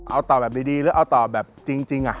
เอาตอบแบบดีหรือเอาตอบแบบจริง